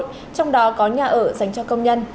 trong đó có nhà ở dành cho công nhân